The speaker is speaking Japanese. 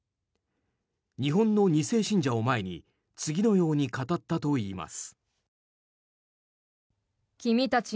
日本の２世信者を前に次のように語ったといいます。